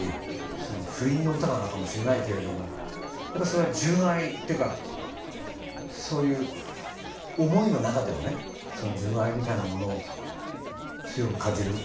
その不倫の歌なのかもしれないけれどもやっぱそれは純愛っていうかそういう思いの中でのね純愛みたいなものを強く感じることで。